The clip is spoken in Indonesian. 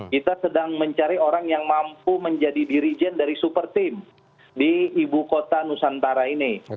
kita sedang mencari orang yang mampu menjadi dirijen dari super team di ibu kota nusantara ini